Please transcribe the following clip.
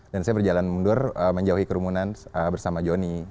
dan saya berjalan mundur menjauhi kerumunan bersama jonny